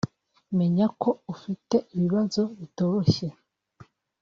menya ko ufite ibibazo bitoroshye